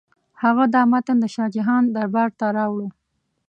هغه دا متن د شاه جهان دربار ته راوړ.